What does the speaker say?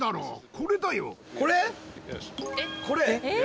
これ。